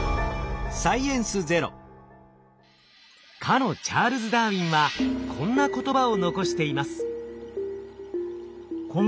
かのチャールズ・ダーウィンはこんな言葉を残しています。